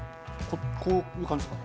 こういう感じですか？